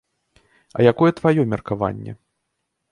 А якое тваё меркаванне?